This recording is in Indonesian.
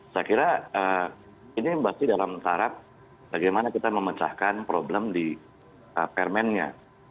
saya kira ini masih dalam tarap bagaimana kita memecahkan problem di permennya